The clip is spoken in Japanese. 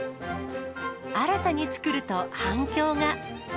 新たに作ると反響が。